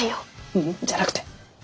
ううんじゃなくて。